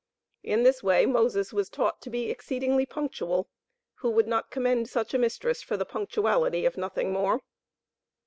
In this way Moses was taught to be exceedingly punctual. Who would not commend such a mistress for the punctuality, if nothing more?